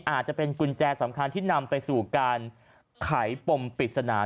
อาจจะเป็นกุญแจสำคัญที่นำไปสู่การไขปมปริศนา